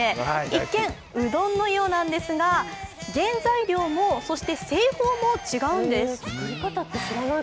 一見うどんのようなんですが、原材料も製法も違うんです。